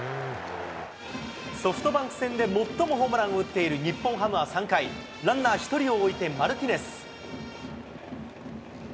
ソフトバンク戦で最もホームランを打っている日本ハムは３回、ランナー１人を置いてマルティネス。